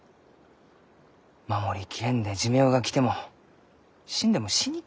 守り切れんで寿命が来ても死んでも死に切れんじゃろう。